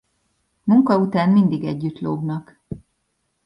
Munka után mindig együtt lógnak.